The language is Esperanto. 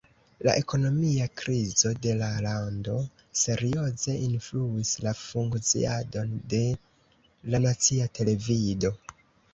La ekonomia krizo de la lando serioze influis la funkciadon de la nacia televido.